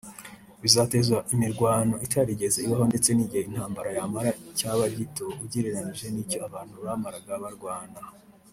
bizateza imirwano itarigeze ibaho ndetse n’igihe intambara yamara cyaba gito ugereranyije n’icyo abantu bamaraga barwana